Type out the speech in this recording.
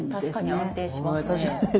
確かに安定しますね。